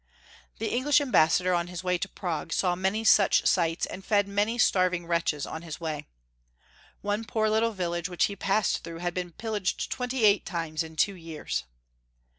The English Ambassador on liis way to Prague saw many such sights, and fed many starving wretches on his way. One poor little village which \ Ferdinand U. 851 lie passed through had been pillaged twenty eight times in two years